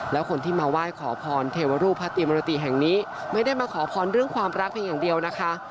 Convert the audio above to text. แล้วคนที่มาไหว้ขอพรเทวรูปพระติมรติแห่งนี้ไม่ได้มาขอพรเรื่องความรักเพียงอย่างเดียวนะคะ